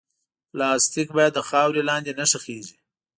پلاستيک باید د خاورې لاندې نه ښخېږي.